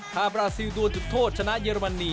ขาดบราซิลด้วยจุดโทษชนะเยอรมนี๕๔